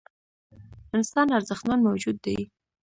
انسان ارزښتمن موجود دی .